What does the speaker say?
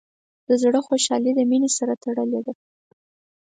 د زړۀ خوشحالي د مینې سره تړلې ده.